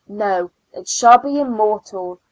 No, it shall be immortal !